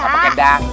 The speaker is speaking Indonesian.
gak pake dang